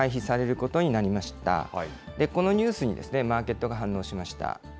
このニュースにマーケットが反応しました。